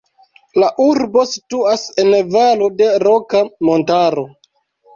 La urbo situas en valo de Roka Montaro.